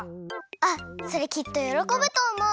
あっそれきっとよろこぶとおもう！